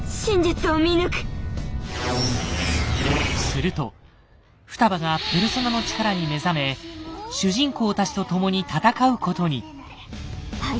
すると双葉がペルソナの力に目覚め主人公たちとともに戦うことに。